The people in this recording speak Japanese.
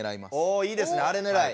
おいいですねあれねらい。